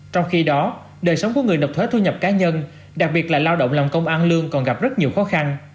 trong khi đó đời sống của người nộp thuế thu nhập cá nhân đặc biệt là lao động làm công an lương còn gặp rất nhiều khó khăn